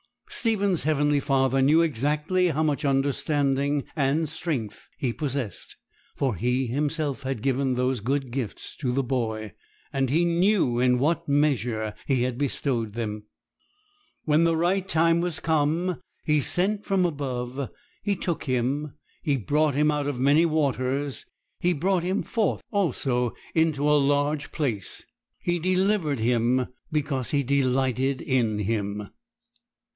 Stephen's heavenly Father knew exactly how much understanding and strength he possessed, for He Himself had given those good gifts to the boy, and He knew in what measure He had bestowed them. When the right time was come, 'He sent from above, He took him, He brought him out of many waters. He brought him forth also into a large place; He delivered him, because He delighted in him.'